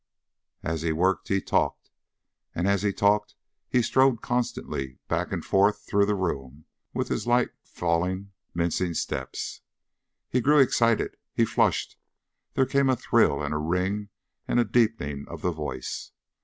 As he worked he talked, and as he talked he strode constantly back and forth through the room with his light falling, mincing steps. He grew excited. He flushed. There came a thrill and a ring and a deepening of the voice.